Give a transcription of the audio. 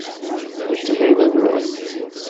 Mačči d ayla-nwen.